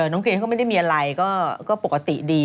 น้องเคนก็ไม่ได้มีอะไรก็ปกติดี